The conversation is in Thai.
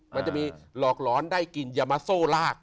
มันจะมีหลอกหลอนได้กินอย่ามาโซ่ลาก